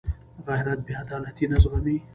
غیرت بېعدالتي نه زغمي